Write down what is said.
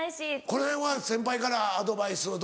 このへんは先輩からアドバイスを。